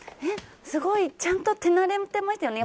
すごいちゃんと手慣れてましたよね。